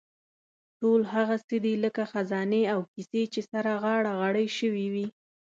ټول هغه څه دي لکه خزانې او کیسې چې سره غاړه غړۍ شوې وي.